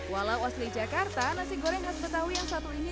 walau asli jakarta nasi goreng khas betawi yang satu ini